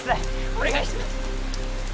お願いします